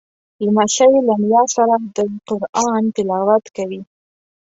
لمسی له نیا سره د قرآن تلاوت کوي.